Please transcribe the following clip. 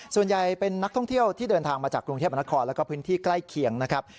ส่วนใหญ่เป็นนักท่องเที่ยวที่เดินทางมาจากกรุงเทพมนครแล้วก็พื้นที่ใกล้เคียงนะครับ